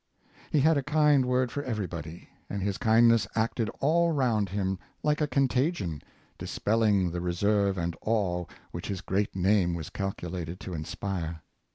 He had a kind word for everybody, and his kindness acted all round him like a contagion, dispelling the reserve and awe which his great name was calculated to inspire.